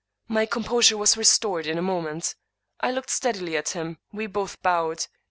My composure was re stored in a moment. I looked steadily at him. We both bowed.